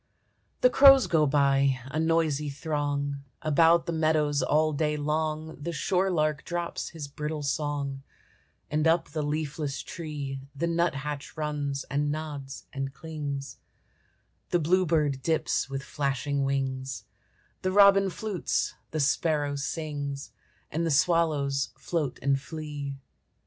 The crows go by, a noisy throng; About the meadows all day long The shore lark drops his brittle song; And up the leafless tree The nut hatch runs, and nods, and clings; The bluebird dips with flashing wings, The robin flutes, the sparrow sings, And the swallows float and flee.